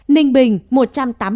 ninh bình một trăm tám mươi bảy ca